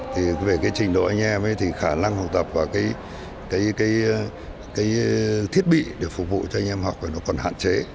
thì về cái trình độ anh em thì khả năng học tập và cái thiết bị để phục vụ cho anh em học nó còn hạn chế